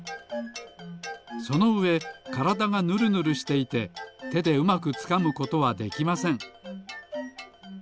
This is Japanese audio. そのうえからだがぬるぬるしていててでうまくつかむことはできません。